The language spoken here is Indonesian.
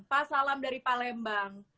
pak salam dari palembang